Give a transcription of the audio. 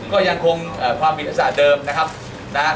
ก็ยังคงเอ่อความวิทยาศาสตร์เดิมนะครับนะฮะ